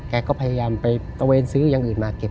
แกก็พยายามไปตะเวนซื้ออย่างอื่นมาเก็บ